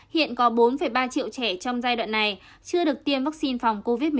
hiện có bốn ba triệu trẻ trong giai đoạn này chưa được tiêm vaccine phòng covid một mươi chín